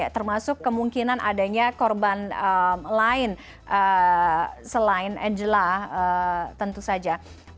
termasuk kemungkinan adanya korban lain selain angela tentu saja